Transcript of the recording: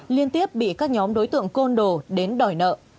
liên tiếp bị các nhóm đối tượng côn đồ đến đòi nợ